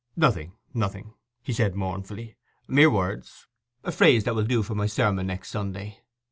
'Nothing, nothing,' said he mournfully. 'Mere words—a phrase that will do for my sermon next Sunday.